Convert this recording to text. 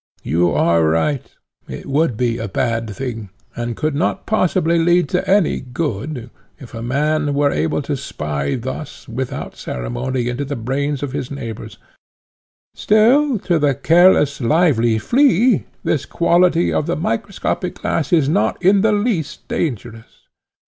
You are right; it would be a bad thing, and could not possibly lead to any good, if a man were able to spy thus, without ceremony, into the brains of his neighbours; still to the careless, lively, flea this quality of the microscopic glass is not in the least dangerous.